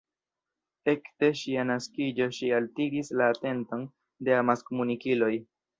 Ekde ŝia naskiĝo ŝi altiris la atenton de amaskomunikiloj.